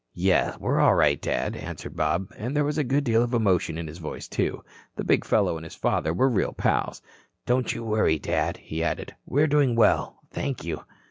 "Yes, we're all right, Dad," answered Bob, and there was a good deal of emotion in his voice, too. The big fellow and his father were real pals. "Don't you worry, Dad," he added. "We're doing well, thank you."